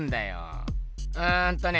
うんとね。